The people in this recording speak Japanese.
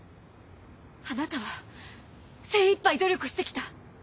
あなたは精一杯努力してきた。